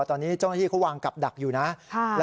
ตอนนี้เจ้าหน้าที่เขาวางกลับดักอยู่นะ